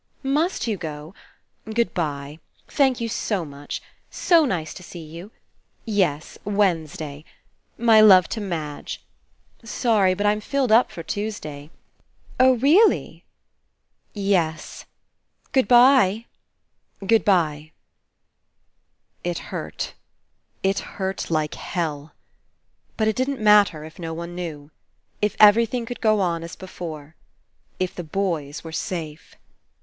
*'Must you go? ... Good bye. ... Thank you so much. ... So nice to see you. ... Yes, Wednesday. ... My love to Madge. ... Sorry, but Fm filled up for Tuesday. ... Oh, really? ... Yes. ... Good bye. ... Good bye. ..." It hurt. It hurt like hell. But It didn't 174 FINALE matter, If no one knew. If everything could go on as before. If the boys were safe.